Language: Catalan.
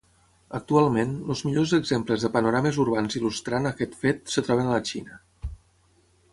Actualment, els millors exemples de panorames urbans il·lustrant aquest fet es troben a la Xina.